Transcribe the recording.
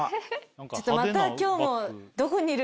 ちょっとまた今日も。